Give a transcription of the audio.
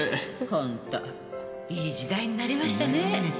本当いい時代になりましたねぇ。